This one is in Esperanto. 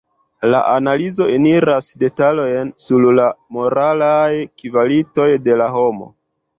La analizo eniras detalojn sur la moralaj kvalitoj de la homo.